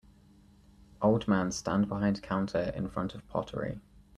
Old man stand behind counter in front of pottery.